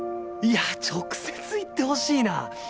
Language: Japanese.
いや直接言ってほしいなあ。